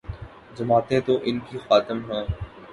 جماعتیں تو ان کی خادم ہیں۔